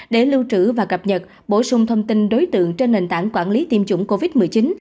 để lưu trữ và cập nhật bổ sung thông tin đối tượng trên nền tảng quản lý tiêm chủng covid một mươi chín